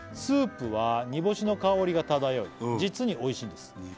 「スープはにぼしの香りが漂い実に美味しいんです」